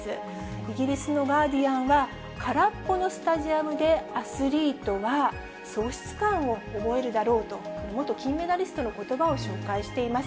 イギリスのガーディアンは、空っぽのスタジアムでアスリートは喪失感を覚えるだろうと、元金メダリストのことばを紹介しています。